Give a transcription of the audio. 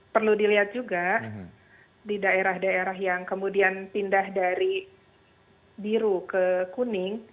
perlu dilihat juga di daerah daerah yang kemudian pindah dari biru ke kuning